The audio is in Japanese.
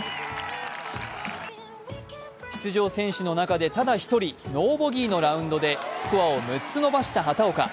出場選手の中でただ一人、ノーボギーのラウンドでスコアを６つ伸ばした畑岡。